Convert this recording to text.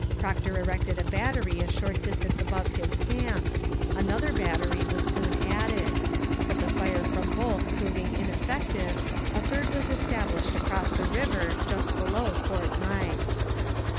Procter erected a battery a short distance above his camp; another battery was soon added: but the fire from both proving ineffective, a third was established across the river just below Fort Meigs.